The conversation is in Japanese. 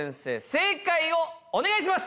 正解をお願いします！